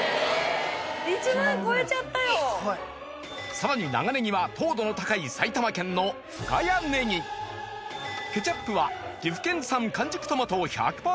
さらに長ねぎは糖度の高い埼玉県のケチャップは岐阜県産完熟トマトを１００％